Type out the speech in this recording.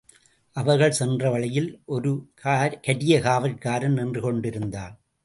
அவர்கள் சென்ற வழியில் ஒரு கரியகாவற்காரன் நின்று கொண்டிருந்தான்.